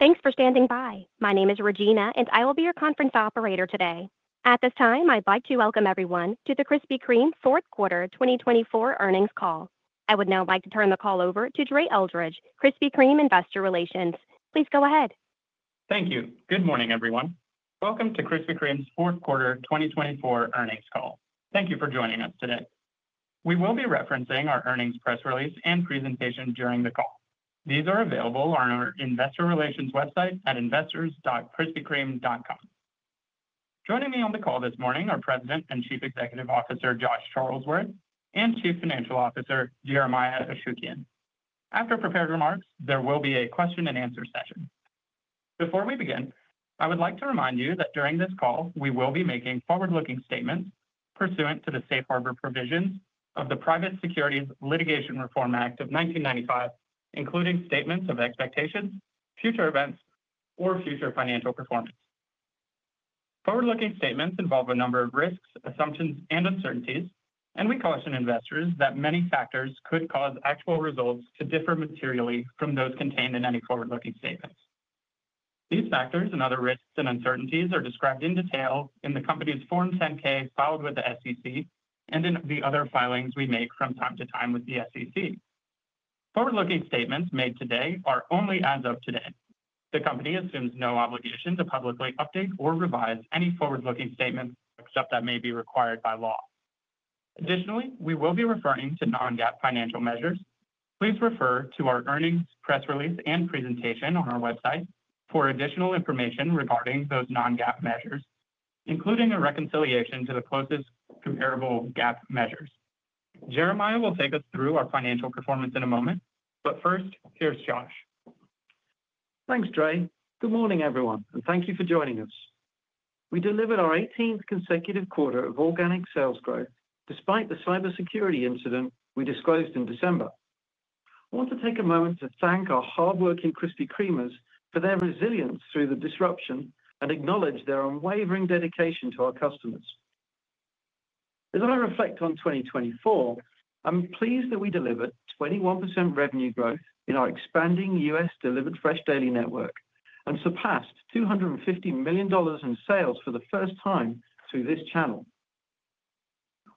Thanks for standing by. My name is Regina, and I will be your conference operator today. At this time, I'd like to welcome everyone to the Krispy Kreme fourth quarter 2024 earnings call. I would now like to turn the call over to Dre Eldredge, Krispy Kreme Investor Relations. Please go ahead. Thank you. Good morning, everyone. Welcome to Krispy Kreme's fourth quarter 2024 earnings call. Thank you for joining us today. We will be referencing our earnings press release and presentation during the call. These are available on our Investor Relations website at investors.krispykreme.com. Joining me on the call this morning are President and Chief Executive Officer Josh Charlesworth and Chief Financial Officer Jeremiah Ashukian. After prepared remarks, there will be a question-and-answer session. Before we begin, I would like to remind you that during this call, we will be making forward-looking statements pursuant to the safe harbor provisions of the Private Securities Litigation Reform Act of 1995, including statements of expectations, future events, or future financial performance. Forward-looking statements involve a number of risks, assumptions, and uncertainties, and we caution investors that many factors could cause actual results to differ materially from those contained in any forward-looking statements. These factors and other risks and uncertainties are described in detail in the company's Form 10-K filed with the SEC and in the other filings we make from time to time with the SEC. Forward-looking statements made today are only as of today. The company assumes no obligation to publicly update or revise any forward-looking statements except that may be required by law. Additionally, we will be referring to non-GAAP financial measures. Please refer to our earnings press release and presentation on our website for additional information regarding those non-GAAP measures, including a reconciliation to the closest comparable GAAP measures. Jeremiah will take us through our financial performance in a moment, but first, here's Josh. Thanks, Dre. Good morning, everyone, and thank you for joining us. We delivered our 18th consecutive quarter of organic sales growth despite the cybersecurity incident we disclosed in December. I want to take a moment to thank our hardworking Krispy Kremers for their resilience through the disruption and acknowledge their unwavering dedication to our customers. As I reflect on 2024, I'm pleased that we delivered 21% revenue growth in our expanding U.S. Delivered Fresh Daily network and surpassed $250 million in sales for the first time through this channel.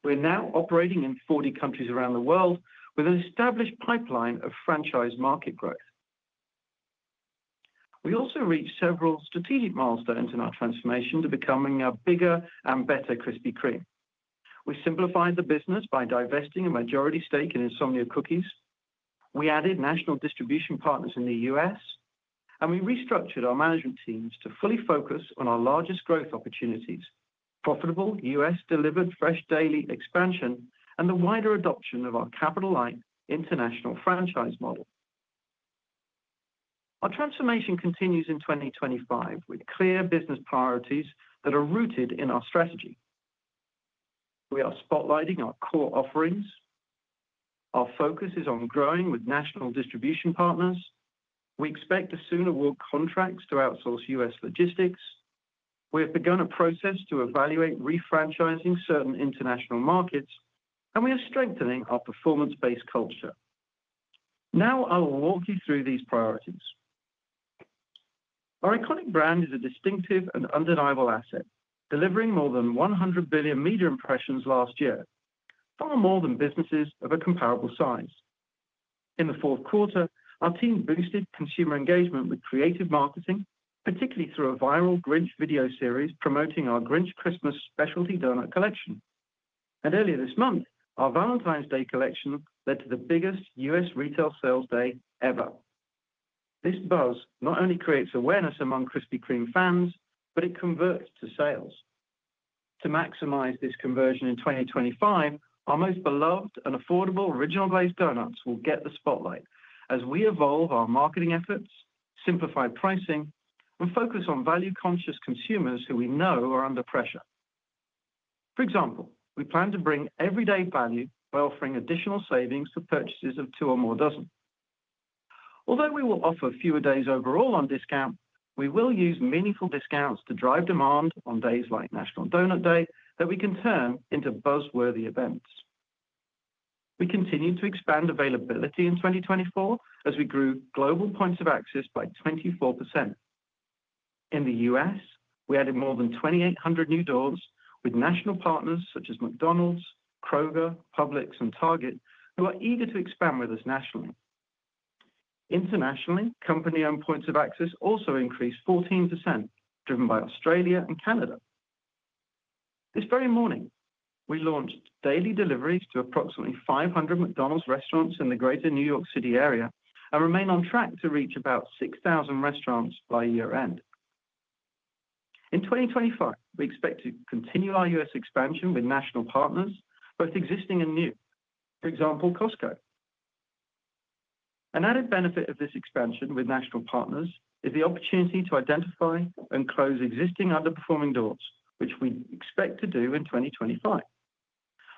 We're now operating in 40 countries around the world with an established pipeline of franchise market growth. We also reached several strategic milestones in our transformation to becoming a bigger and better Krispy Kreme. We simplified the business by divesting a majority stake in Insomnia Cookies. We added national distribution partners in the U.S., and we restructured our management teams to fully focus on our largest growth opportunities, profitable U.S. Delivered Fresh Daily expansion, and the wider adoption of our capital-light international franchise model. Our transformation continues in 2025 with clear business priorities that are rooted in our strategy. We are spotlighting our core offerings. Our focus is on growing with national distribution partners. We expect to soon award contracts to outsource U.S. logistics. We have begun a process to evaluate refranchising certain international markets, and we are strengthening our performance-based culture. Now I will walk you through these priorities. Our iconic brand is a distinctive and undeniable asset, delivering more than 100 billion media impressions last year, far more than businesses of a comparable size. In the fourth quarter, our team boosted consumer engagement with creative marketing, particularly through a viral Grinch video series promoting our Grinch Christmas Specialty Doughnut Collection, and earlier this month, our Valentine's Day Collection led to the biggest U.S. retail sales day ever. This buzz not only creates awareness among Krispy Kreme fans, but it converts to sales. To maximize this conversion in 2025, our most beloved and affordable Original Glazed doughnuts will get the spotlight as we evolve our marketing efforts, simplify pricing, and focus on value-conscious consumers who we know are under pressure. For example, we plan to bring everyday value by offering additional savings for purchases of two or more dozen. Although we will offer fewer days overall on discount, we will use meaningful discounts to drive demand on days like National Doughnut Day that we can turn into buzz-worthy events. We continue to expand availability in 2024 as we grew global points of access by 24%. In the U.S., we added more than 2,800 new doors with national partners such as McDonald's, Kroger, Publix, and Target, who are eager to expand with us nationally. Internationally, company-owned points of access also increased 14%, driven by Australia and Canada. This very morning, we launched daily deliveries to approximately 500 McDonald's restaurants in the greater New York City area and remain on track to reach about 6,000 restaurants by year-end. In 2025, we expect to continue our U.S. expansion with national partners, both existing and new, for example, Costco. An added benefit of this expansion with national partners is the opportunity to identify and close existing underperforming doors, which we expect to do in 2025.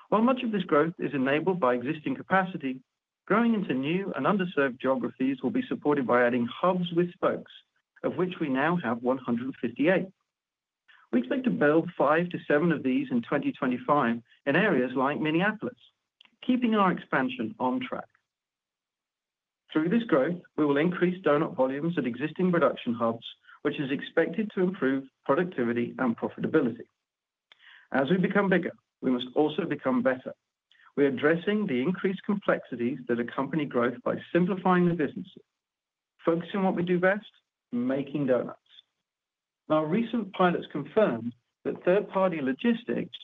While much of this growth is enabled by existing capacity, growing into new and underserved geographies will be supported by adding hubs with spokes, of which we now have 158. We expect to build five to seven of these in 2025 in areas like Minneapolis, keeping our expansion on track. Through this growth, we will increase doughnut volumes at existing production hubs, which is expected to improve productivity and profitability. As we become bigger, we must also become better. We are addressing the increased complexities that accompany growth by simplifying the business, focusing on what we do best, making doughnuts. Our recent pilots confirmed that third-party logistics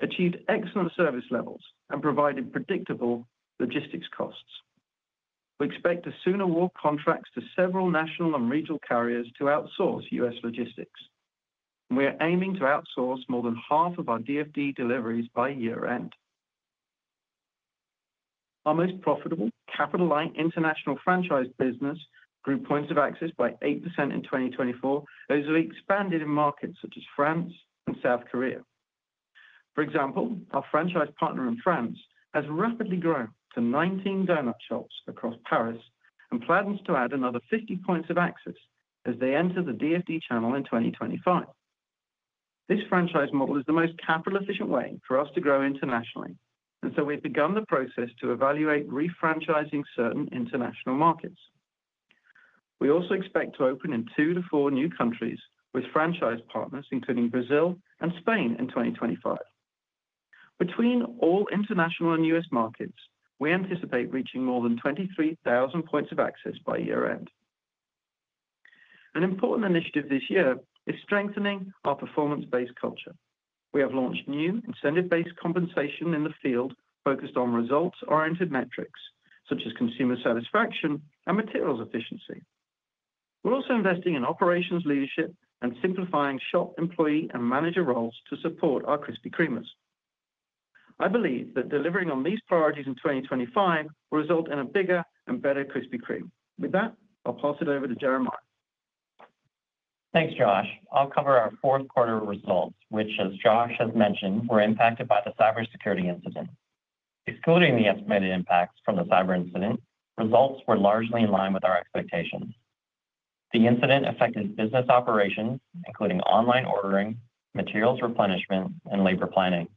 achieved excellent service levels and provided predictable logistics costs. We expect to soon award contracts to several national and regional carriers to outsource U.S. logistics. We are aiming to outsource more than half of our DFD deliveries by year-end. Our most profitable capital-light international franchise business grew points of access by 8% in 2024 as we expanded in markets such as France and South Korea. For example, our franchise partner in France has rapidly grown to 19 doughnut shops across Paris and plans to add another 50 points of access as they enter the DFD channel in 2025. This franchise model is the most capital-efficient way for us to grow internationally, and so we've begun the process to evaluate refranchising certain international markets. We also expect to open in two to four new countries with franchise partners, including Brazil and Spain, in 2025. Between all international and U.S. markets, we anticipate reaching more than 23,000 points of access by year-end. An important initiative this year is strengthening our performance-based culture. We have launched new incentive-based compensation in the field focused on results-oriented metrics such as consumer satisfaction and materials efficiency. We're also investing in operations leadership and simplifying shop employee and manager roles to support our Krispy Kremers. I believe that delivering on these priorities in 2025 will result in a bigger and better Krispy Kreme. With that, I'll pass it over to Jeremiah. Thanks, Josh. I'll cover our fourth quarter results, which, as Josh has mentioned, were impacted by the cybersecurity incident. Excluding the estimated impacts from the cyber incident, results were largely in line with our expectations. The incident affected business operations, including online ordering, materials replenishment, and labor planning.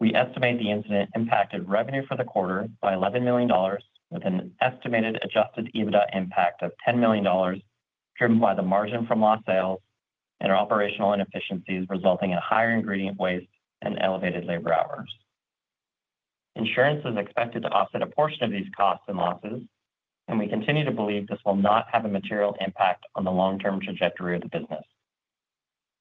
We estimate the incident impacted revenue for the quarter by $11 million, with an estimated adjusted EBITDA impact of $10 million, driven by the margin from lost sales and our operational inefficiencies resulting in higher ingredient waste and elevated labor hours. Insurance is expected to offset a portion of these costs and losses, and we continue to believe this will not have a material impact on the long-term trajectory of the business.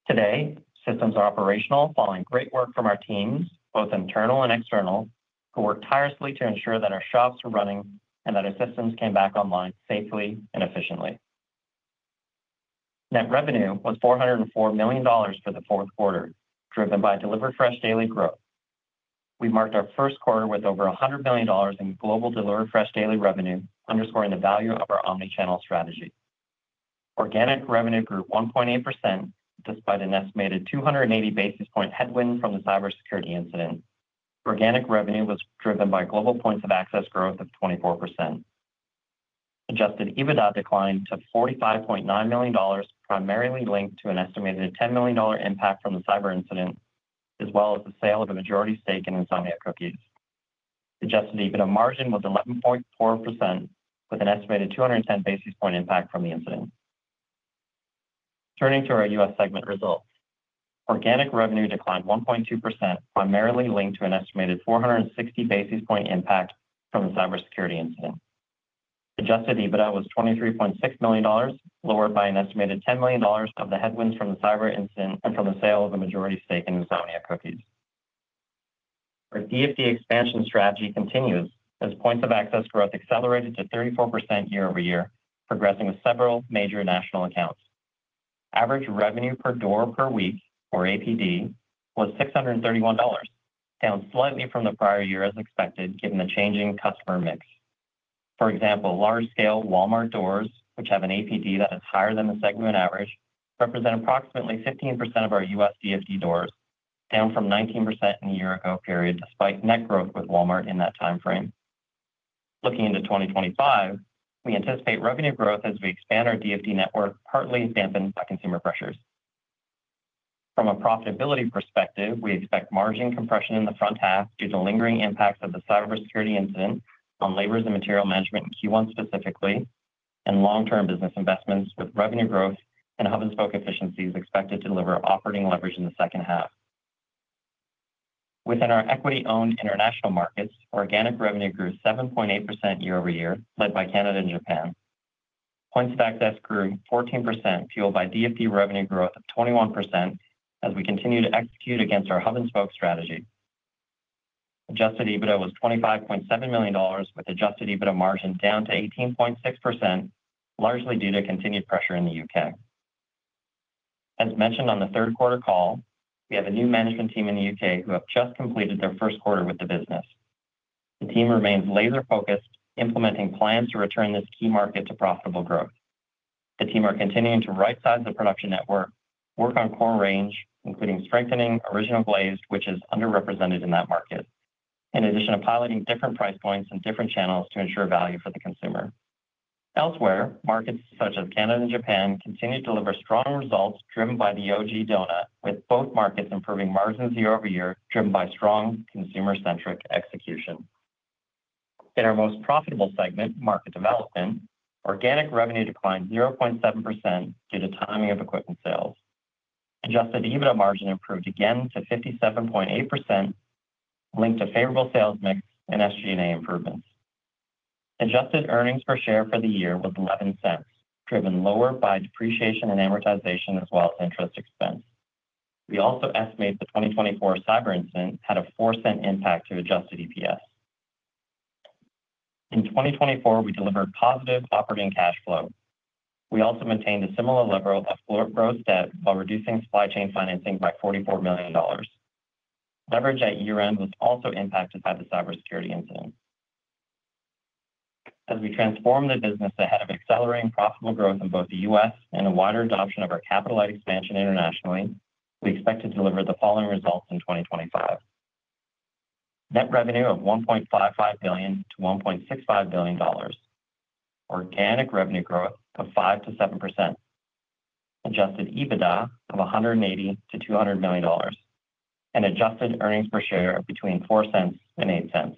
Today, systems are operational, following great work from our teams, both internal and external, who worked tirelessly to ensure that our shops were running and that our systems came back online safely and efficiently. Net revenue was $404 million for the fourth quarter, driven by Delivered Fresh Daily growth. We marked our first quarter with over $100 million in global Delivered Fresh Daily revenue, underscoring the value of our omnichannel strategy. Organic revenue grew 1.8% despite an estimated 280 basis points headwind from the cybersecurity incident. Organic revenue was driven by global points of access growth of 24%. Adjusted EBITDA declined to $45.9 million, primarily linked to an estimated $10 million impact from the cyber incident, as well as the sale of a majority stake in Insomnia Cookies. Adjusted EBITDA margin was 11.4%, with an estimated 210 basis points impact from the incident. Turning to our U.S. segment results, organic revenue declined 1.2%, primarily linked to an estimated 460 basis point impact from the cybersecurity incident. Adjusted EBITDA was $23.6 million, lowered by an estimated $10 million of the headwinds from the cyber incident and from the sale of a majority stake in Insomnia Cookies. Our DFD expansion strategy continues as points of access growth accelerated to 34% year-over-year, progressing with several major national accounts. Average revenue per door per week, or APD, was $631, down slightly from the prior year as expected, given the changing customer mix. For example, large-scale Walmart doors, which have an APD that is higher than the segment average, represent approximately 15% of our U.S. DFD doors, down from 19% in the year-ago period, despite net growth with Walmart in that timeframe. Looking into 2025, we anticipate revenue growth as we expand our DFD network, partly dampened by consumer pressures. From a profitability perspective, we expect margin compression in the front half due to lingering impacts of the cybersecurity incident on labor and material management in Q1 specifically, and long-term business investments with revenue growth and hub-and-spoke efficiencies expected to deliver operating leverage in the second half. Within our equity-owned international markets, organic revenue grew 7.8% year-over-year, led by Canada and Japan. Points of access grew 14%, fueled by DFD revenue growth of 21% as we continue to execute against our hub-and-spoke strategy. Adjusted EBITDA was $25.7 million, with adjusted EBITDA margin down to 18.6%, largely due to continued pressure in the U.K. As mentioned on the third quarter call, we have a new management team in the U.K. who have just completed their first quarter with the business. The team remains laser-focused, implementing plans to return this key market to profitable growth. The team are continuing to right-size the production network, work on core range, including strengthening Original Glazed, which is underrepresented in that market, in addition to piloting different price points and different channels to ensure value for the consumer. Elsewhere, markets such as Canada and Japan continue to deliver strong results driven by the OG doughnut, with both markets improving margins year-over-year, driven by strong consumer-centric execution. In our most profitable segment, market development, organic revenue declined 0.7% due to timing of equipment sales. Adjusted EBITDA margin improved again to 57.8%, linked to favorable sales mix and SG&A improvements. Adjusted earnings per share for the year was $0.11, driven lower by depreciation and amortization, as well as interest expense. We also estimate the 2024 cyber incident had a $0.04 impact to adjusted EPS. In 2024, we delivered positive operating cash flow. We also maintained a similar level of gross debt while reducing supply chain financing by $44 million. Leverage at year-end was also impacted by the cybersecurity incident. As we transform the business ahead of accelerating profitable growth in both the U.S. and a wider adoption of our capital-light expansion internationally, we expect to deliver the following results in 2025: net revenue of $1.55 billion-$1.65 billion, organic revenue growth of 5%-7%, adjusted EBITDA of $180-$200 million, and adjusted earnings per share between $0.04 and $0.08.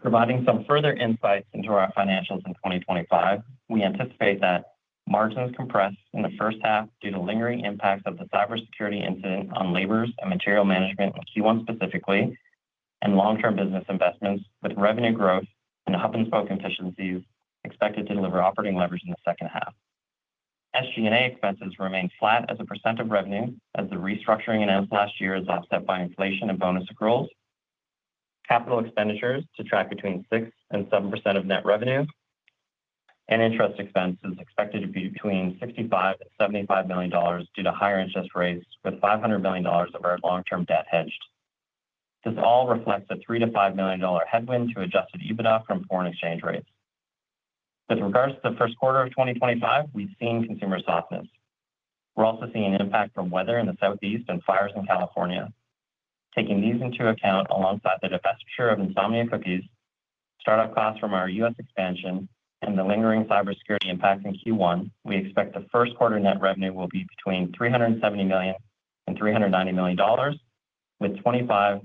Providing some further insights into our financials in 2025, we anticipate that margins compress in the first half due to lingering impacts of the cybersecurity incident on labor and material management in Q1 specifically, and long-term business investments, with revenue growth and hub-and-spoke efficiencies expected to deliver operating leverage in the second half. SG&A expenses remain flat as a percent of revenue, as the restructuring in end of last year is offset by inflation and bonus accruals. Capital expenditures to track between 6% and 7% of net revenue, and interest expenses expected to be between $65-$75 million due to higher interest rates, with $500 million of our long-term debt hedged. This all reflects a $3-$5 million headwind to adjusted EBITDA from foreign exchange rates. With regards to the first quarter of 2025, we've seen consumer softness. We're also seeing an impact from weather in the Southeast and fires in California. Taking these into account, alongside the divestiture of Insomnia Cookies, startup costs from our U.S. expansion, and the lingering cybersecurity impacts in Q1, we expect the first quarter net revenue will be between $370 million-$390 million, with $25-$30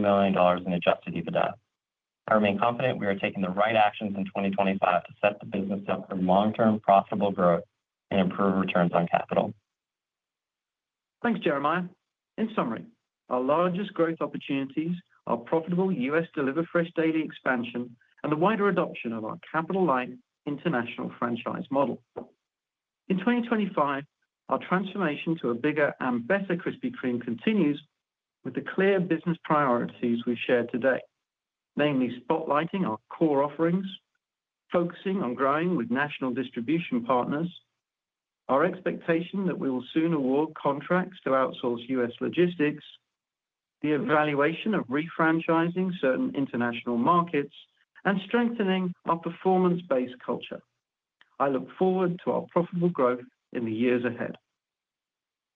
million in adjusted EBITDA. I remain confident we are taking the right actions in 2025 to set the business up for long-term profitable growth and improved returns on capital. Thanks, Jeremiah. In summary, our largest growth opportunities are profitable U.S. Delivered Fresh Daily expansion and the wider adoption of our capital-light international franchise model. In 2025, our transformation to a bigger and better Krispy Kreme continues with the clear business priorities we've shared today, namely spotlighting our core offerings, focusing on growing with national distribution partners, our expectation that we will soon award contracts to outsource U.S. logistics, the evaluation of refranchising certain international markets, and strengthening our performance-based culture. I look forward to our profitable growth in the years ahead.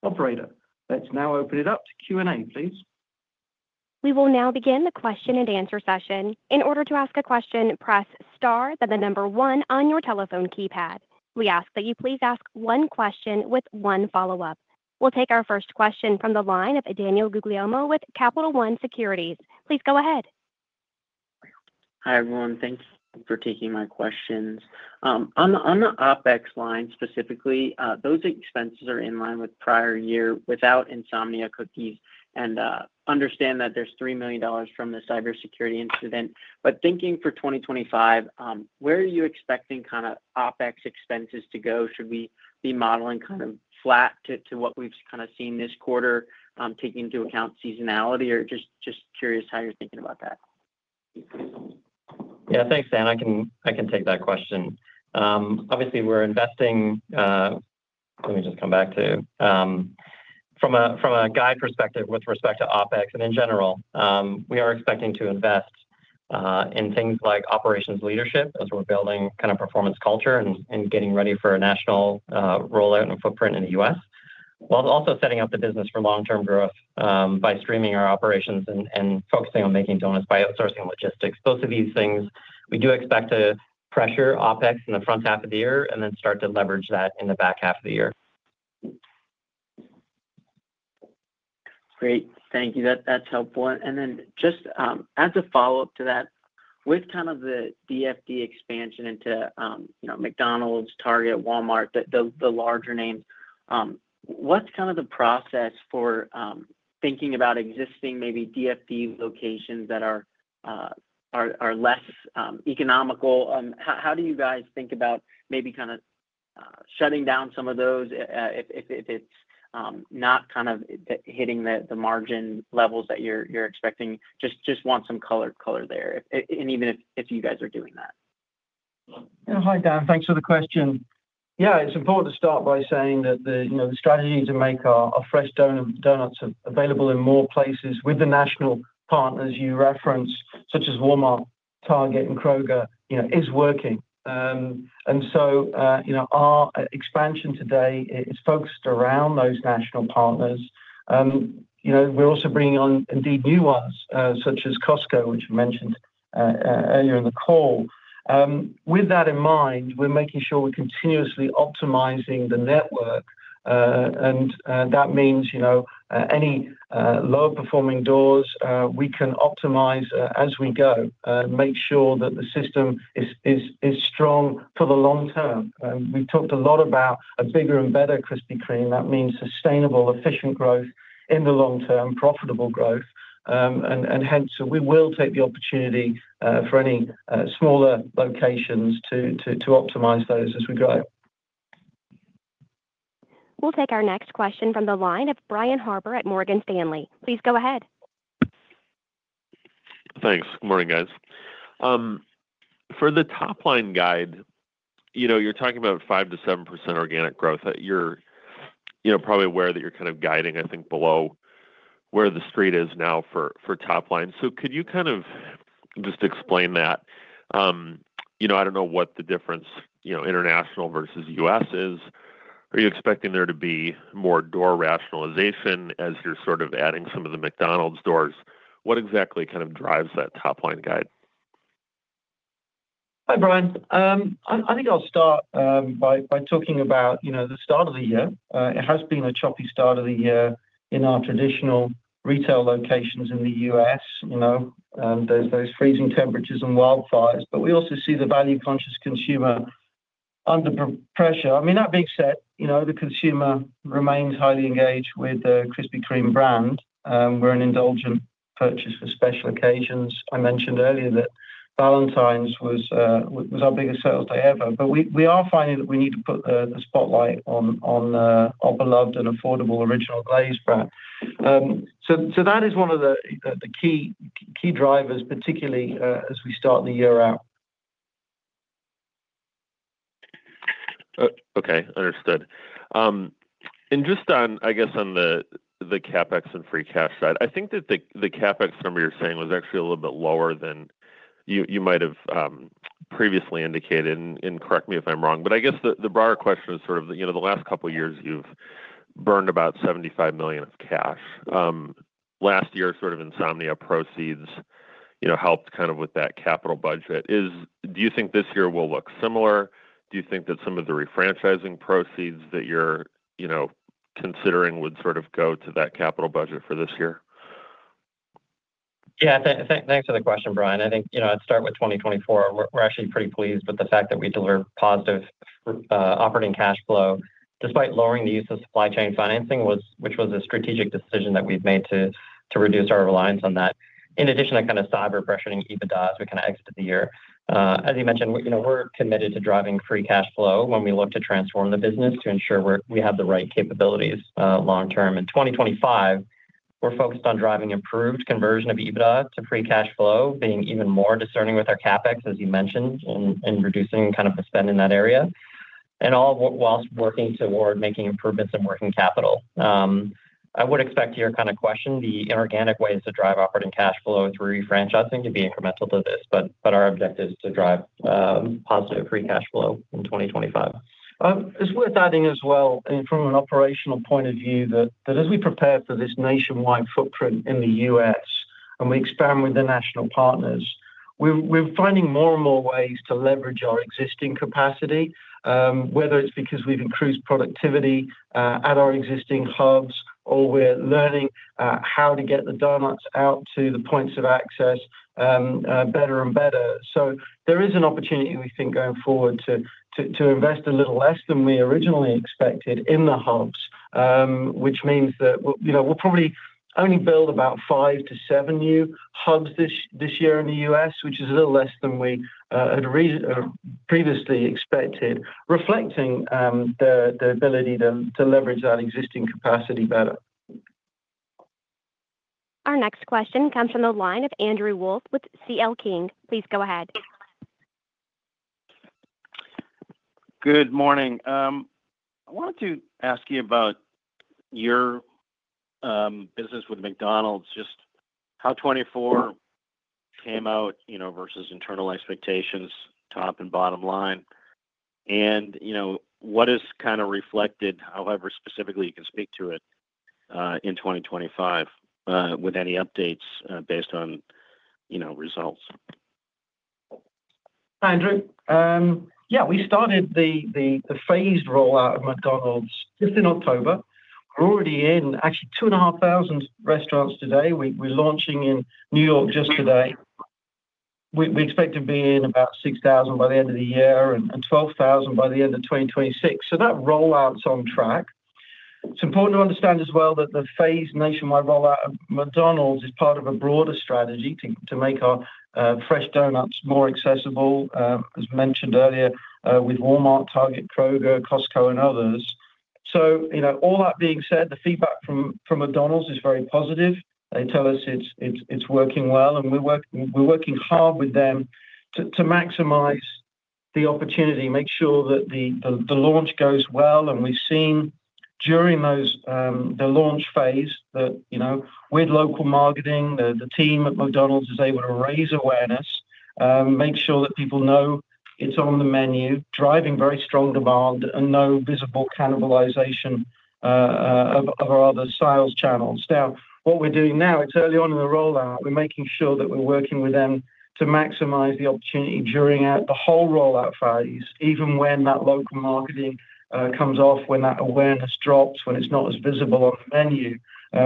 Operator, let's now open it up to Q&A, please. We will now begin the question and answer session. In order to ask a question, press star then the number one on your telephone keypad. We ask that you please ask one question with one follow-up. We'll take our first question from the line of Daniel Guglielmo with Capital One Securities. Please go ahead. Hi, everyone. Thank you for taking my questions. On the OpEx line specifically, those expenses are in line with prior year without Insomnia Cookies. And understand that there's $3 million from the cybersecurity incident. But thinking for 2025, where are you expecting kind of OpEx expenses to go? Should we be modeling kind of flat to what we've kind of seen this quarter, taking into account seasonality? Or just curious how you're thinking about that? Yeah, thanks, Dan. I can take that question. Obviously, we're investing, let me just come back to, from a guide perspective with respect to OpEx and in general, we are expecting to invest in things like operations leadership as we're building kind of performance culture and getting ready for a national rollout and footprint in the U.S., while also setting up the business for long-term growth by streaming our operations and focusing on making doughnuts by outsourcing logistics. Both of these things, we do expect to pressure OpEx in the front half of the year and then start to leverage that in the back half of the year. Great. Thank you. That's helpful. And then just as a follow-up to that, with kind of the DFD expansion into McDonald's, Target, Walmart, the larger names, what's kind of the process for thinking about existing maybe DFD locations that are less economical? How do you guys think about maybe kind of shutting down some of those if it's not kind of hitting the margin levels that you're expecting? Just want some color there, and even if you guys are doing that. Hi, Dan. Thanks for the question. Yeah, it's important to start by saying that the strategy to make our fresh doughnuts available in more places with the national partners you reference, such as Walmart, Target, and Kroger, is working. And so our expansion today is focused around those national partners. We're also bringing on, indeed, new ones, such as Costco, which you mentioned earlier in the call. With that in mind, we're making sure we're continuously optimizing the network. And that means any low-performing doors we can optimize as we go and make sure that the system is strong for the long term. We've talked a lot about a bigger and better Krispy Kreme. That means sustainable, efficient growth in the long term, profitable growth. And hence, we will take the opportunity for any smaller locations to optimize those as we grow. We'll take our next question from the line of Brian Harbour at Morgan Stanley. Please go ahead. Thanks. Good morning, guys. For the top-line guide, you're talking about 5%-7% organic growth. You're probably aware that you're kind of guiding, I think, below where the street is now for top line. So could you kind of just explain that? I don't know what the difference international versus U.S. is. Are you expecting there to be more door rationalization as you're sort of adding some of the McDonald's doors? What exactly kind of drives that top-line guide? Hi, Brian. I think I'll start by talking about the start of the year. It has been a choppy start of the year in our traditional retail locations in the U.S. There's those freezing temperatures and wildfires. But we also see the value-conscious consumer under pressure. I mean, that being said, the consumer remains highly engaged with the Krispy Kreme brand. We're an indulgent purchase for special occasions. I mentioned earlier that Valentine's was our biggest sales day ever. But we are finding that we need to put the spotlight on our beloved and affordable Original Glazed brand. So that is one of the key drivers, particularly as we start the year out. Okay. Understood. And just on, I guess, on the CapEx and free cash side, I think that the CapEx number you're saying was actually a little bit lower than you might have previously indicated. And correct me if I'm wrong. But I guess the broader question is sort of the last couple of years you've burned about $75 million of cash. Last year, sort of Insomnia proceeds helped kind of with that capital budget. Do you think this year will look similar? Do you think that some of the refranchising proceeds that you're considering would sort of go to that capital budget for this year? Yeah. Thanks for the question, Brian. I think I'd start with 2024. We're actually pretty pleased with the fact that we deliver positive operating cash flow despite lowering the use of supply chain financing, which was a strategic decision that we've made to reduce our reliance on that. In addition, that kind of pressured EBITDA as we kind of exited the year. As you mentioned, we're committed to driving free cash flow when we look to transform the business to ensure we have the right capabilities long term. In 2025, we're focused on driving improved conversion of EBITDA to free cash flow, being even more discerning with our CapEx, as you mentioned, and reducing kind of the spend in that area, and all while working toward making improvements in working capital. In response to your kind of question, the inorganic ways to drive operating cash flow through refranchising to be incremental to this. But our objective is to drive positive free cash flow in 2025. It's worth adding as well, from an operational point of view, that as we prepare for this nationwide footprint in the U.S. and we experiment with the national partners, we're finding more and more ways to leverage our existing capacity, whether it's because we've increased productivity at our existing hubs or we're learning how to get the doughnuts out to the points of access better and better. So there is an opportunity, we think, going forward to invest a little less than we originally expected in the hubs, which means that we'll probably only build about five to seven new hubs this year in the U.S., which is a little less than we had previously expected, reflecting the ability to leverage that existing capacity better. Our next question comes from the line of Andrew Wolf with C.L. King. Please go ahead. Good morning. I wanted to ask you about your business with McDonald's, just how 2024 came out versus internal expectations, top and bottom line, and what is kind of reflected, however specifically you can speak to it, in 2025 with any updates based on results. Hi, Andrew. Yeah, we started the phased rollout of McDonald's just in October. We're already in actually 2,500 restaurants today. We're launching in New York just today. We expect to be in about 6,000 by the end of the year and 12,000 by the end of 2026. So that rollout's on track. It's important to understand as well that the phased nationwide rollout of McDonald's is part of a broader strategy to make our fresh doughnuts more accessible, as mentioned earlier, with Walmart, Target, Kroger, Costco, and others. So all that being said, the feedback from McDonald's is very positive. They tell us it's working well. We're working hard with them to maximize the opportunity, make sure that the launch goes well. And we've seen during the launch phase that with local marketing, the team at McDonald's is able to raise awareness, make sure that people know it's on the menu, driving very strong demand, and no visible cannibalization of our other sales channels. Now, what we're doing now, it's early on in the rollout. We're making sure that we're working with them to maximize the opportunity during the whole rollout phase, even when that local marketing comes off, when that awareness drops, when it's not as visible on the menu,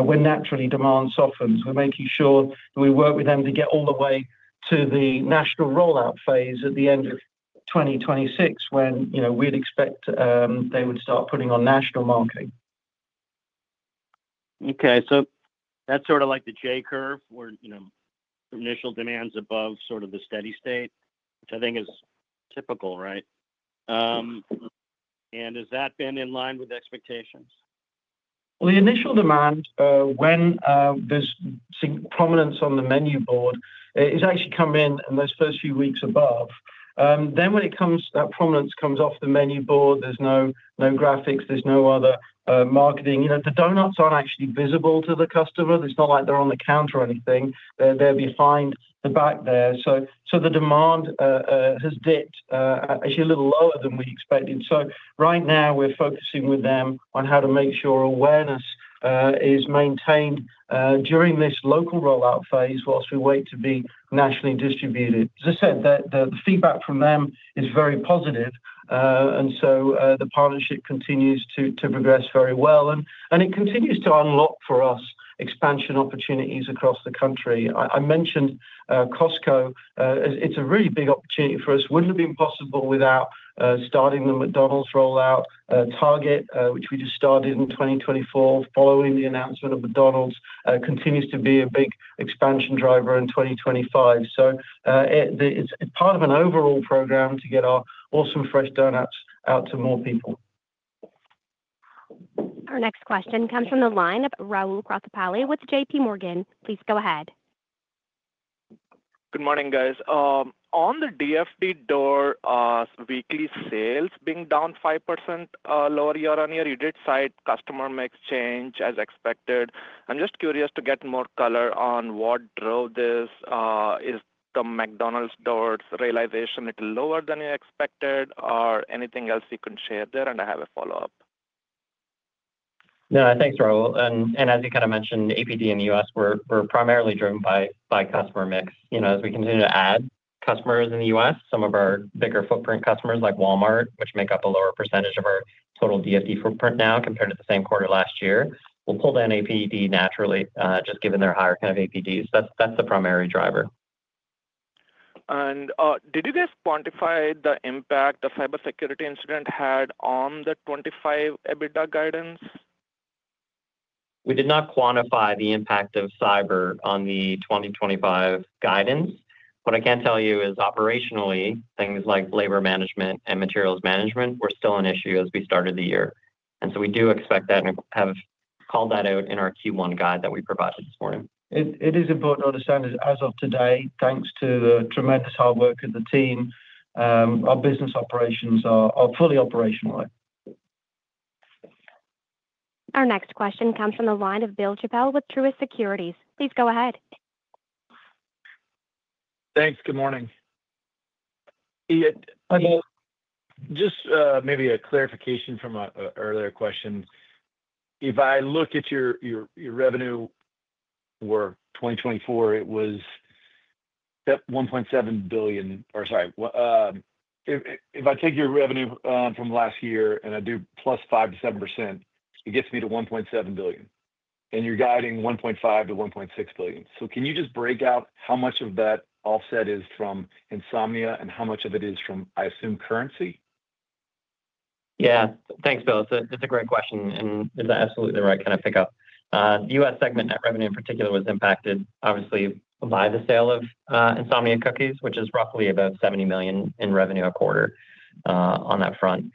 when naturally demand softens. We're making sure that we work with them to get all the way to the national rollout phase at the end of 2026, when we'd expect they would start putting on national marketing. Okay. So that's sort of like the J curve where initial demand's above sort of the steady state, which I think is typical, right? And has that been in line with expectations? The initial demand, when there's prominence on the menu board, is actually coming in those first few weeks above. Then when it comes, that prominence comes off the menu board, there's no graphics, there's no other marketing. The doughnuts aren't actually visible to the customer. It's not like they're on the counter or anything. They're behind the back there. So the demand has dipped actually a little lower than we expected. So right now, we're focusing with them on how to make sure awareness is maintained during this local rollout phase while we wait to be nationally distributed. As I said, the feedback from them is very positive. And so the partnership continues to progress very well. And it continues to unlock for us expansion opportunities across the country. I mentioned Costco. It's a really big opportunity for us. Wouldn't have been possible without starting the McDonald's rollout. Target, which we just started in 2024 following the announcement of McDonald's, continues to be a big expansion driver in 2025, so it's part of an overall program to get our awesome fresh doughnuts out to more people. Our next question comes from the line of Rahul Krotthapalli with JPMorgan. Please go ahead. Good morning, guys. On the DFD door, weekly sales being down 5% lower year on year. You did cite customer mix change as expected. I'm just curious to get more color on what drove this. Is the McDonald's doors realization a little lower than you expected, or anything else you can share there? And I have a follow-up. No, thanks, Rahul. And as you kind of mentioned, APD in the U.S., we're primarily driven by customer mix. As we continue to add customers in the U.S., some of our bigger footprint customers like Walmart, which make up a lower percentage of our total DFD footprint now compared to the same quarter last year, will pull down APD naturally, just given their higher kind of APDs. That's the primary driver. Did you guys quantify the impact the cybersecurity incident had on the 2025 EBITDA guidance? We did not quantify the impact of cyber on the 2025 guidance. What I can tell you is operationally, things like labor management and materials management were still an issue as we started the year, and so we do expect that and have called that out in our Q1 guide that we provided this morning. It is important to understand that as of today, thanks to the tremendous hard work of the team, our business operations are fully operational. Our next question comes from the line of Bill Chappell with Truist Securities. Please go ahead. Thanks. Good morning. Hi, Bill. Just maybe a clarification from an earlier question. If I look at your revenue for 2024, it was $1.7 billion. Or sorry, if I take your revenue from last year and I do plus 5%-7%, it gets me to $1.7 billion. And you're guiding $1.5-$1.6 billion. So can you just break out how much of that offset is from Insomnia and how much of it is from, I assume, currency? Yeah. Thanks, Bill. That's a great question. And it's absolutely the right kind of pickup. The U.S. segment net revenue in particular was impacted, obviously, by the sale of Insomnia Cookies, which is roughly about $70 million in revenue a quarter on that front.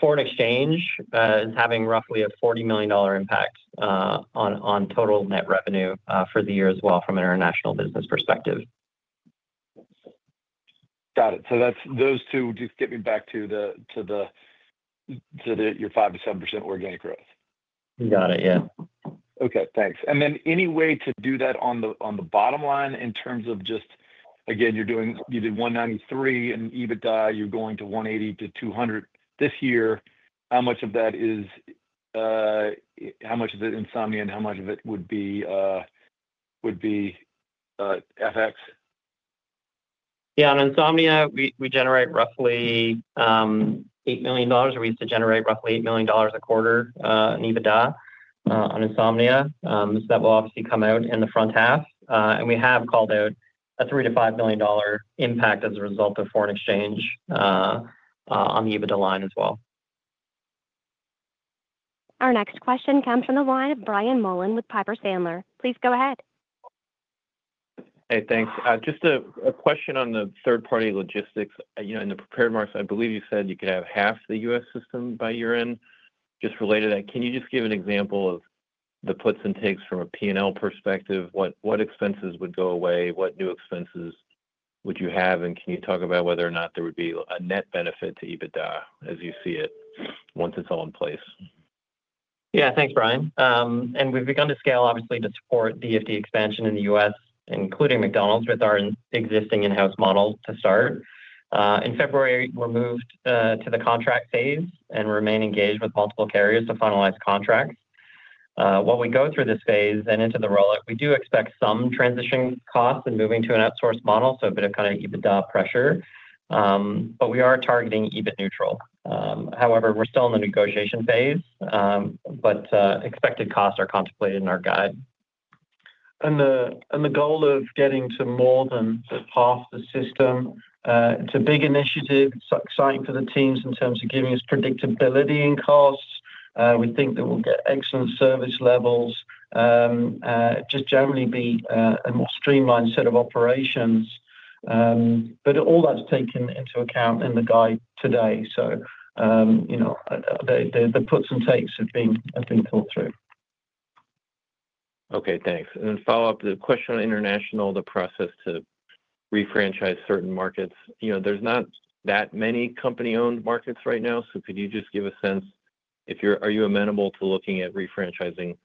Foreign exchange is having roughly a $40 million impact on total net revenue for the year as well from an international business perspective. Got it. So those two just get me back to your 5%-7% organic growth. Got it. Yeah. Okay. Thanks. And then any way to do that on the bottom line in terms of just, again, you did 193 in EBITDA. You're going to 180-200 this year. How much of that is the Insomnia and how much of it would be FX? Yeah. On Insomnia, we generate roughly $8 million. We used to generate roughly $8 million a quarter in EBITDA on Insomnia. So that will obviously come out in the front half. And we have called out a $3-$5 million impact as a result of foreign exchange on the EBITDA line as well. Our next question comes from the line of Brian Mullan with Piper Sandler. Please go ahead. Hey, thanks. Just a question on the third-party logistics. In the prepared remarks, I believe you said you could have half the U.S. system by year-end. Just related to that, can you just give an example of the puts and takes from a P&L perspective? What expenses would go away? What new expenses would you have? And can you talk about whether or not there would be a net benefit to EBITDA as you see it once it's all in place? Yeah. Thanks, Brian. And we've begun to scale, obviously, to support DFD expansion in the U.S., including McDonald's, with our existing in-house model to start. In February, we're moved to the contract phase and remain engaged with multiple carriers to finalize contracts. While we go through this phase and into the rollout, we do expect some transition costs and moving to an outsourced model, so a bit of kind of EBITDA pressure. But we are targeting EBIT neutral. However, we're still in the negotiation phase, but expected costs are contemplated in our guide. The goal of getting to more than half the system. It's a big initiative, exciting for the teams in terms of giving us predictability in costs. We think that we'll get excellent service levels, just generally be a more streamlined set of operations. All that's taken into account in the guide today. The puts and takes have been thought through. Okay. Thanks. And then follow-up, the question on international, the process to refranchise certain markets. There's not that many company-owned markets right now. So could you just give a sense? Are you amenable to looking at refranchising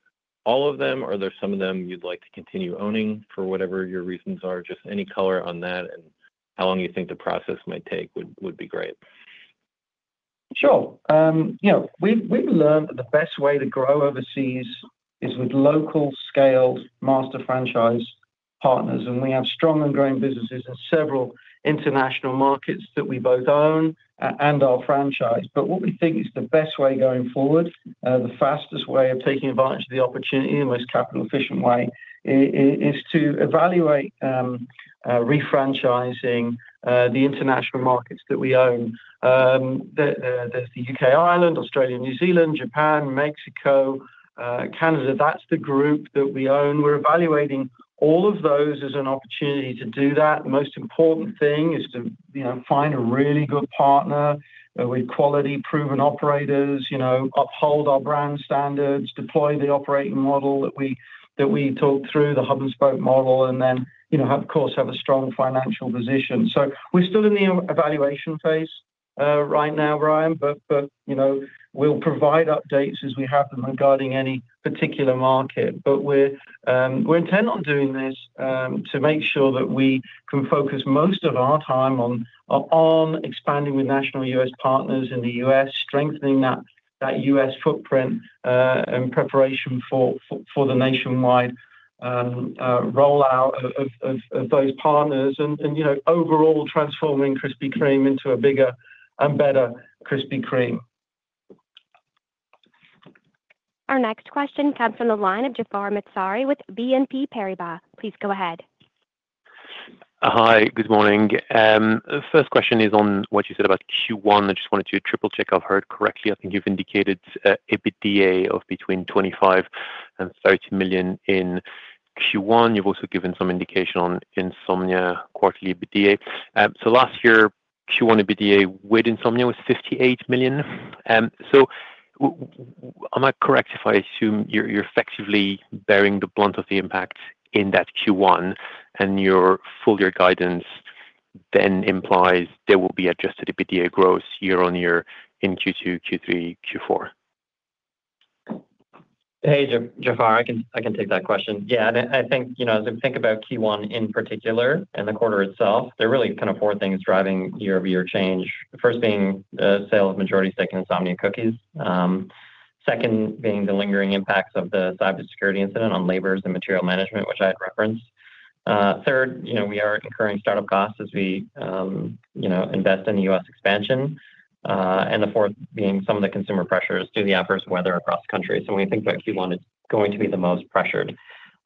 all of them, or are there some of them you'd like to continue owning for whatever your reasons are? Just any color on that and how long you think the process might take would be great. Sure. We've learned that the best way to grow overseas is with local-scaled master franchise partners. And we have strong and growing businesses in several international markets that we both own and our franchise. But what we think is the best way going forward, the fastest way of taking advantage of the opportunity, the most capital-efficient way, is to evaluate refranchising the international markets that we own. There's the U.K., Ireland, Australia, New Zealand, Japan, Mexico, Canada. That's the group that we own. We're evaluating all of those as an opportunity to do that. The most important thing is to find a really good partner with quality-proven operators, uphold our brand standards, deploy the operating model that we talked through, the hub-and-spoke model, and then, of course, have a strong financial position. So we're still in the evaluation phase right now, Brian, but we'll provide updates as we have them regarding any particular market. But we're intent on doing this to make sure that we can focus most of our time on expanding with national U.S. partners in the U.S., strengthening that U.S. footprint in preparation for the nationwide rollout of those partners, and overall transforming Krispy Kreme into a bigger and better Krispy Kreme. Our next question comes from the line of Jaafar Mestari with BNP Paribas. Please go ahead. Hi. Good morning. First question is on what you said about Q1. I just wanted to triple-check I've heard correctly. I think you've indicated EBITDA of between $25 and $30 million in Q1. You've also given some indication on Insomnia quarterly EBITDA. So last year, Q1 EBITDA with Insomnia was $58 million. So am I correct if I assume you're effectively bearing the brunt of the impact in that Q1, and your full year guidance then implies there will be adjusted EBITDA growth year-on-year in Q2, Q3, Q4? Hey, Jaafar. I can take that question. Yeah, and I think as we think about Q1 in particular and the quarter itself, there are really kind of four things driving year-over-year change. First being the sale of majority stake in Insomnia Cookies. Second being the lingering impacts of the cybersecurity incident on labor and material management, which I had referenced. Third, we are incurring startup costs as we invest in the U.S. expansion. And the fourth being some of the consumer pressures due to the adverse weather across the country, so when we think about Q1, it's going to be the most pressured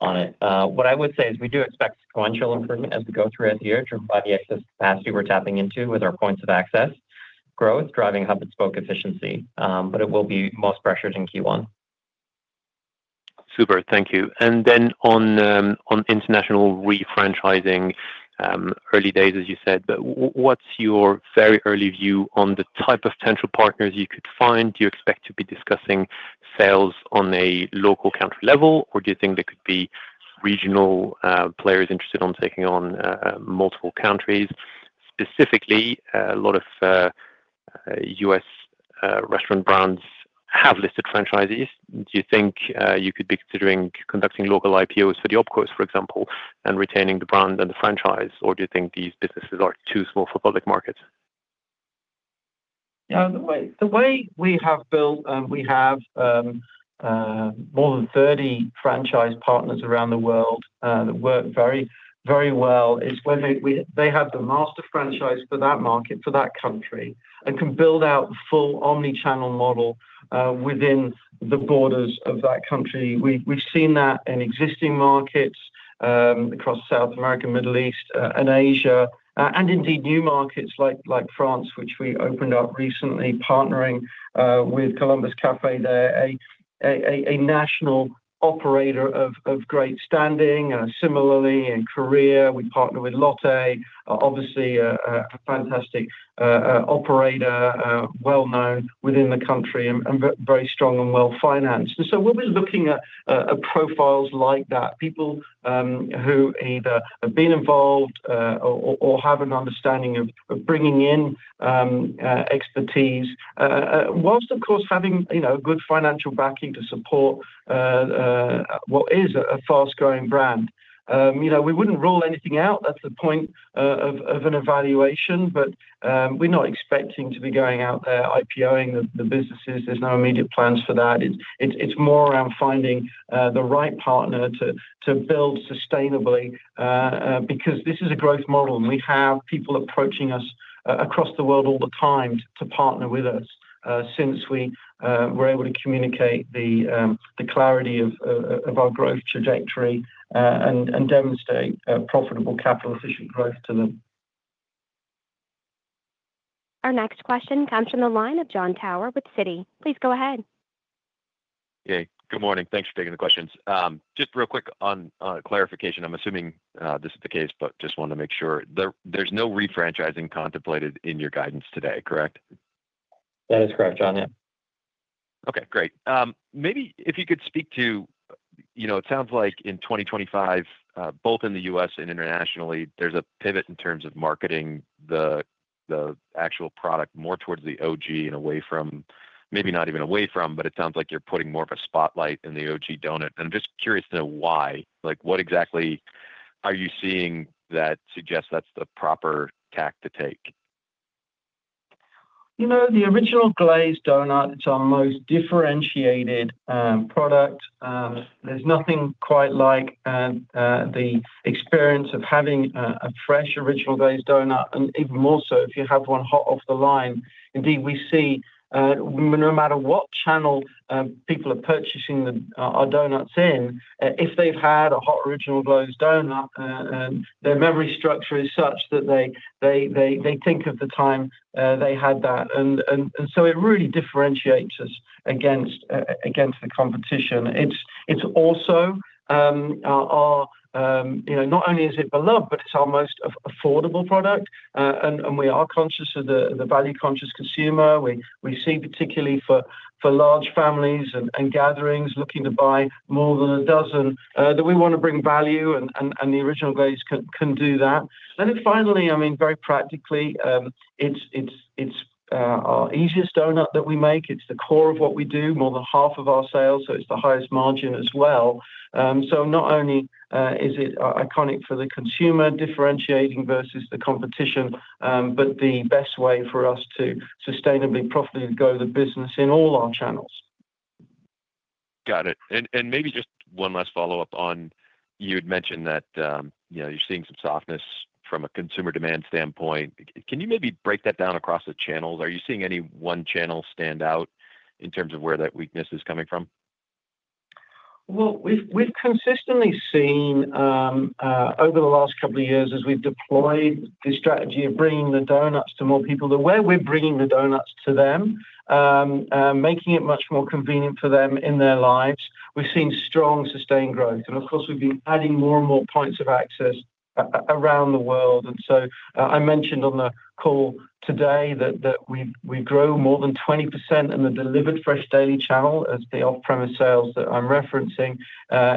on it. What I would say is we do expect sequential improvement as we go through it here to provide the excess capacity we're tapping into with our points of access growth driving hub-and-spoke efficiency, but it will be most pressured in Q1. Super. Thank you. And then on international refranchising, early days, as you said. But what's your very early view on the type of potential partners you could find? Do you expect to be discussing sales on a local country level, or do you think there could be regional players interested in taking on multiple countries? Specifically, a lot of U.S. restaurant brands have listed franchisees. Do you think you could be considering conducting local IPOs for the OpCos, for example, and retaining the brand and the franchise, or do you think these businesses are too small for public markets? The way we have built, and we have more than 30 franchise partners around the world that work very well, is whether they have the master franchise for that market, for that country, and can build out the full omnichannel model within the borders of that country. We've seen that in existing markets across South America, Middle East, and Asia, and indeed new markets like France, which we opened up recently, partnering with Columbus Café there, a national operator of great standing. Similarly, in Korea, we partner with Lotte, obviously a fantastic operator, well-known within the country and very strong and well-financed. And so we'll be looking at profiles like that, people who either have been involved or have an understanding of bringing in expertise, whilst, of course, having good financial backing to support what is a fast-growing brand. We wouldn't rule anything out. That's the point of an evaluation. But we're not expecting to be going out there IPOing the businesses. There's no immediate plans for that. It's more around finding the right partner to build sustainably because this is a growth model, and we have people approaching us across the world all the time to partner with us since we were able to communicate the clarity of our growth trajectory and demonstrate profitable capital-efficient growth to them. Our next question comes from the line of Jon Tower with Citi. Please go ahead. Hey. Good morning. Thanks for taking the questions. Just real quick on clarification. I'm assuming this is the case, but just wanted to make sure. There's no refranchising contemplated in your guidance today, correct? That is correct, Jon. Yeah. Okay. Great. Maybe if you could speak to it. It sounds like in 2025, both in the U.S. and internationally, there's a pivot in terms of marketing the actual product more towards the OG and away from maybe not even away from, but it sounds like you're putting more of a spotlight in the OG doughnut. And I'm just curious to know why. What exactly are you seeing that suggests that's the proper tack to take? The Original Glazed doughnut, it's our most differentiated product. There's nothing quite like the experience of having a fresh Original Glazed doughnut, and even more so if you have one hot off the line. Indeed, we see no matter what channel people are purchasing our doughnuts in, if they've had a hot Original Glazed doughnut, their memory structure is such that they think of the time they had that. And so it really differentiates us against the competition. It's also our not only is it beloved, but it's our most affordable product. And we are conscious of the value-conscious consumer. We see particularly for large families and gatherings looking to buy more than a dozen that we want to bring value, and the Original Glazed can do that. And then finally, I mean, very practically, it's our easiest doughnut that we make. It's the core of what we do, more than half of our sales. So it's the highest margin as well. So not only is it iconic for the consumer differentiating versus the competition, but the best way for us to sustainably profitably grow the business in all our channels. Got it. And maybe just one last follow-up on you had mentioned that you're seeing some softness from a consumer demand standpoint. Can you maybe break that down across the channels? Are you seeing any one channel stand out in terms of where that weakness is coming from? Well, we've consistently seen over the last couple of years, as we've deployed the strategy of bringing the doughnuts to more people, the way we're bringing the doughnuts to them, making it much more convenient for them in their lives, we've seen strong sustained growth. And of course, we've been adding more and more points of access around the world. And so I mentioned on the call today that we've grown more than 20% in the Delivered Fresh Daily channel as the off-premise sales that I'm referencing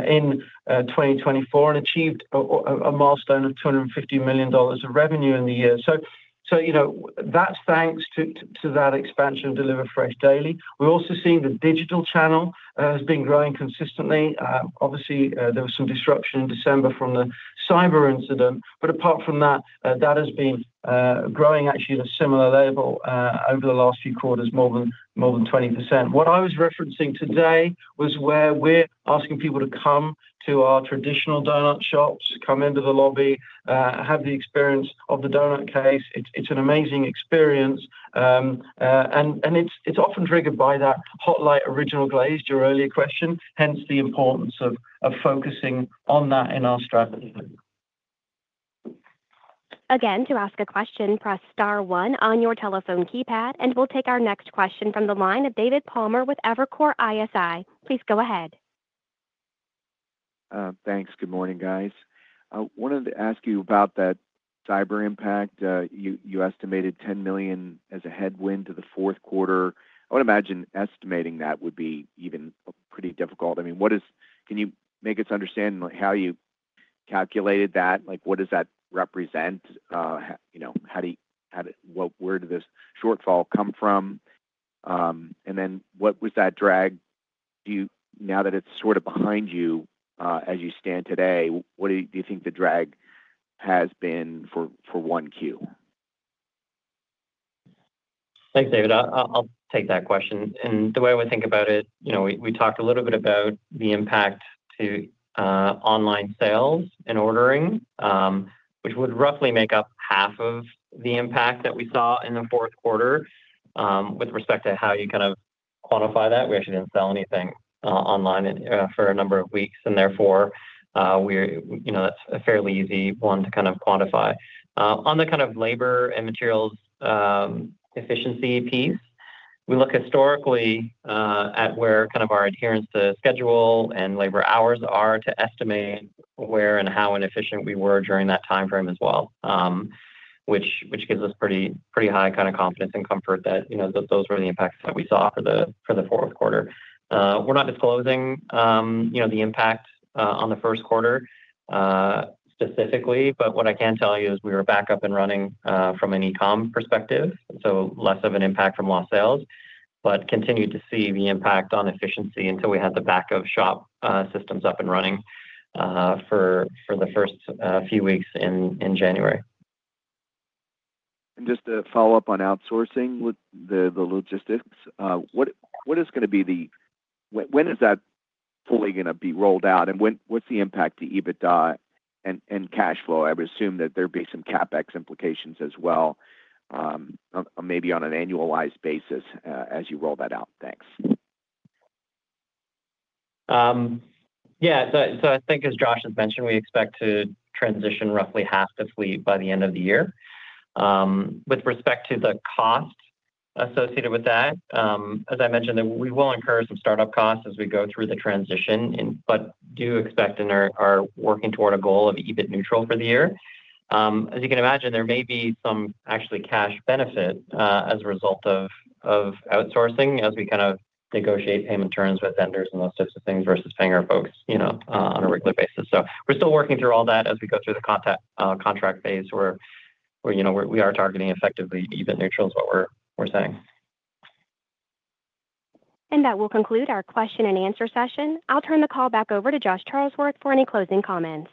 in 2024 and achieved a milestone of $250 million of revenue in the year. So that's thanks to that expansion of Delivered Fresh Daily. We're also seeing the digital channel has been growing consistently. Obviously, there was some disruption in December from the cyber incident. But apart from that, that has been growing actually at a similar level over the last few quarters, more than 20%. What I was referencing today was where we're asking people to come to our traditional doughnut shops, come into the lobby, have the experience of the doughnut case. It's an amazing experience, and it's often triggered by that Hot Light Original Glazed, your earlier question, hence the importance of focusing on that in our strategy. Again, to ask a question, press star one on your telephone keypad, and we'll take our next question from the line of David Palmer with Evercore ISI. Please go ahead. Thanks. Good morning, guys. I wanted to ask you about that cyber impact. You estimated $10 million as a headwind to the fourth quarter. I would imagine estimating that would be even pretty difficult. I mean, can you make us understand how you calculated that? What does that represent? Where did this shortfall come from? And then what was that drag now that it's sort of behind you as you stand today? What do you think the drag has been for 1Q? Thanks, David. I'll take that question. And the way I would think about it, we talked a little bit about the impact to online sales and ordering, which would roughly make up half of the impact that we saw in the fourth quarter with respect to how you kind of quantify that. We actually didn't sell anything online for a number of weeks. And therefore, that's a fairly easy one to kind of quantify. On the kind of labor and materials efficiency piece, we look historically at where kind of our adherence to schedule and labor hours are to estimate where and how inefficient we were during that timeframe as well, which gives us pretty high kind of confidence and comfort that those were the impacts that we saw for the fourth quarter. We're not disclosing the impact on the first quarter specifically, but what I can tell you is we were back up and running from an e-comm perspective, so less of an impact from lost sales, but continued to see the impact on efficiency until we had the back-of-shop systems up and running for the first few weeks in January. Just to follow up on outsourcing, the logistics, what is going to be the when is that fully going to be rolled out? What's the impact to EBITDA and cash flow? I would assume that there'd be some CapEx implications as well, maybe on an annualized basis as you roll that out. Thanks. Yeah. So I think, as Josh has mentioned, we expect to transition roughly half to fleet by the end of the year. With respect to the cost associated with that, as I mentioned, we will incur some startup costs as we go through the transition, but do expect and are working toward a goal of EBIT neutral for the year. As you can imagine, there may be some actual cash benefit as a result of outsourcing as we kind of negotiate payment terms with vendors and those types of things versus paying our folks on a regular basis. So we're still working through all that as we go through the contract phase where we are targeting effectively EBIT neutral is what we're saying. That will conclude our question and answer session. I'll turn the call back over to Josh Charlesworth for any closing comments.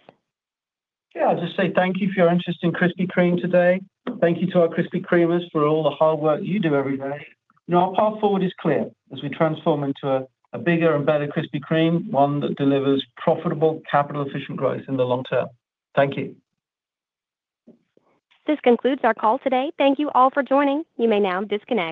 Yeah. I'll just say thank you for your interest in Krispy Kreme today. Thank you to our Krispy Kremers for all the hard work you do every day. Now, our path forward is clear as we transform into a bigger and better Krispy Kreme, one that delivers profitable capital-efficient growth in the long term. Thank you. This concludes our call today. Thank you all for joining. You may now disconnect.